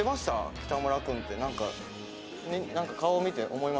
北村君ってなんか顔見て思いません？